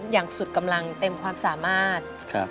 อย่างสุดกำลังเต็มความสามารถ